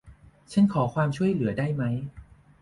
ฉันขอความช่วยเหลือได้ไหม